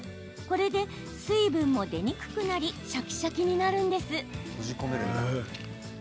これで、水分も出にくくなりシャキシャキになるんです。